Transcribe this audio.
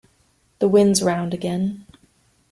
The wind's round again.